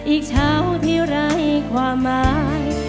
อีกเช้าที่ไร้ความหมาย